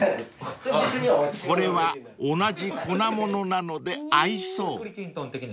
［これは同じ粉ものなので合いそう］